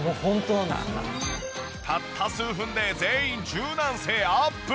たった数分で全員柔軟性アップ。